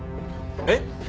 えっ！？